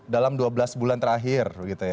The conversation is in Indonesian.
dalam dua belas bulan terakhir